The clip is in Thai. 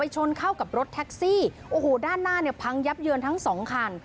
ชนเข้ากับรถแท็กซี่โอ้โหด้านหน้าเนี่ยพังยับเยินทั้งสองคัน